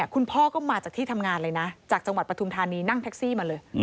คุณพ่อก็มาจากที่ทำงานเลยนะจากจังหวัดปฐุมธานีนั่งแท็กซี่มาเลย